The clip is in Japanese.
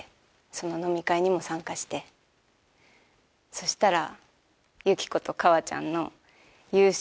そしたら。